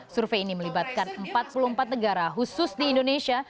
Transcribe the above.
survei ini melibatkan empat puluh empat negara khusus di indonesia